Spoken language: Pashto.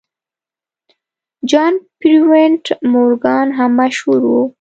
جان پیرپونټ مورګان هم مشهور و.